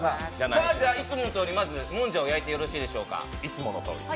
いつものとおり、まずもんじゃを焼いてよろしいでしょうか。